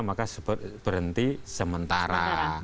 maka berhenti sementara